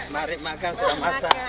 mari makan sudah masak